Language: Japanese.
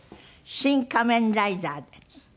『シン・仮面ライダー』です。